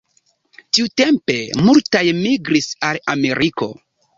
Tiutempe multaj migris al Ameriko.